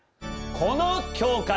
この教会。